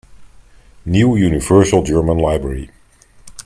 New Universal German Library.